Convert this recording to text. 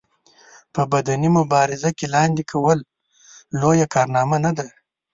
په بدني مبارزه کې لاندې کول لويه کارنامه نه ده.